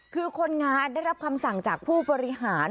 คือคนงานได้รับคำสั่งจากผู้บริหาร